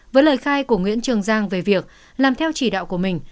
với lời khai của nguyễn trường giang về việc làm theo chỉ đạo của mình